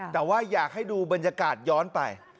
แต่ว่าอยากให้ดูบรรยากาศย้อนไป